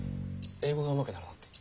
英語がうまくなるのって。